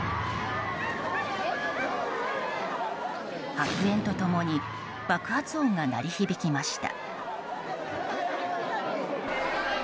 白煙と共に爆発音が鳴り響きました。